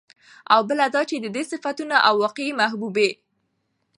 او بله دا چې د دې صفتونو او واقعي محبوبې